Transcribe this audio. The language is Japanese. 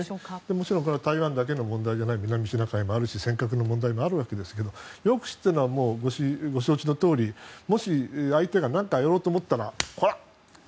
もちろん台湾だけの問題だけじゃなくて南シナ海もあるし、尖閣の問題もあるわけですけど抑止というのは、ご承知のとおりもし相手が何かやろうと思ったらこら！